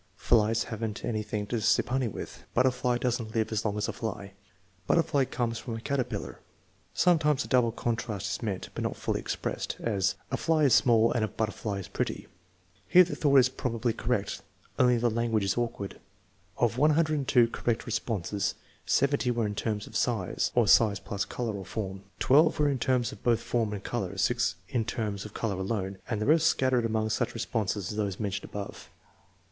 "Flies have n't any thing to sip honey with." "Butterfly does n't live as long as a fly." "Butterfly comes from a caterpillar." Sometimes a double contrast is meant, but not fully expressed; as, "A fly is small and a butterfly is pretty." Here the thought is probably correct, only the language is awkward. Of 102 correct responses, 70 were in terms of size, or size plus color or form; 12 were in terms of both form and color; 6 in terms of color alone; and the rest scattered among such responses as those mentioned above.